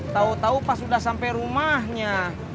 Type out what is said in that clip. tahu tahu pas sudah sampai rumahnya